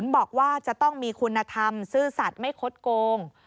บอกว่าจะต้องมีคุณธรรมซื่อสัตว์ไม่คดโกง